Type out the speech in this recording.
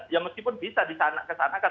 ya meskipun bisa kesanakan